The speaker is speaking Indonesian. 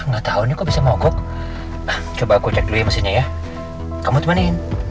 gak tahu kok bisa mogok coba aku cek dulu ya mesinnya ya kamu temanin